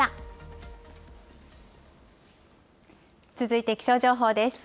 続いて気象情報です。